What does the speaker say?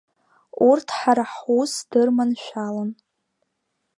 Урҭ ҳара ҳус дырманшәалон.